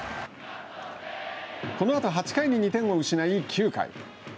このあと８回に２点を失い９回。